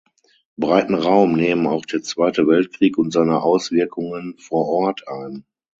Breiten Raum nehmen auch der Zweite Weltkrieg und seine Auswirkungen vor Ort ein.